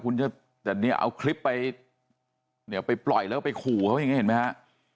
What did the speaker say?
คุณจะเอาคลิปไปไปปล่อยแล้วไปขู่เขาอย่างนี้เห็นไหม